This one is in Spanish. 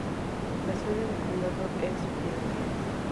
La sede de condado es Beaver.